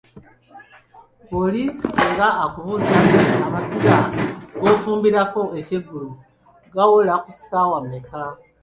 Oli singa akubuuza nti ,amasiga g'ofumbirako ekyeggulo gawola ku ssaawa mmeka?